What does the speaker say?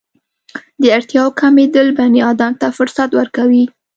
د اړتیاوو کمېدل بني ادم ته فرصت ورکوي.